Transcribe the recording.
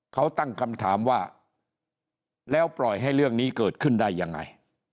เขาตั้งคำถามว่าแล้วปล่อยให้เรื่องนี้เกิดขึ้นได้ยังไง